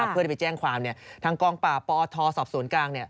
เพื่อได้ไปแจ้งความทางกองป่าปอทสอบสวนกลาง